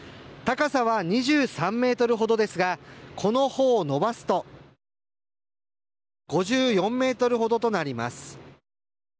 高さは２３ｍほどですがこの帆を伸ばすと５４ｍほどとなります。